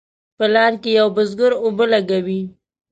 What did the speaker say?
په لار کې یو بزګر اوبه لګوي.